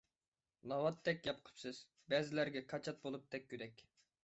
ناۋاتتەك گەپ قىپسىز، بەزىلەرگە كاچات بولۇپ تەگكۈدەك!